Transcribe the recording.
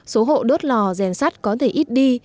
số hộ đốt lò rèn sắt có thể ít đi